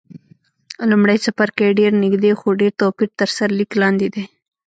لومړی څپرکی یې ډېر نږدې، خو ډېر توپیر تر سرلیک لاندې دی.